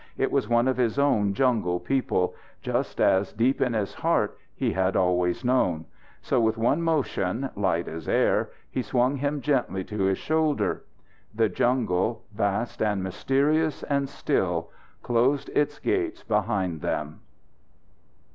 It was one of his own jungle people, just as, deep in his heart, he had always known. So with one motion light as air, he swung him gently to his shoulder. The jungle, vast and mysterious and still, closed its gates behind them.